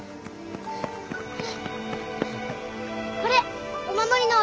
これお守りのお礼。